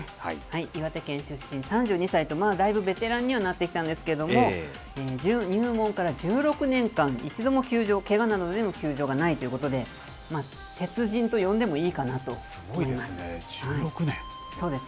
岩手県出身、３２歳と、まあだいぶベテランにはなってきたんですけれども、入門から１６年間、一度も休場、けがなどでの休場がないということで、鉄人と呼んでもいいかなと思います。